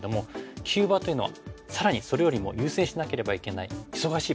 急場というのはさらにそれよりも優先しなければいけない忙しい場所。